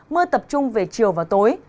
mưa tập trung về chiều và tối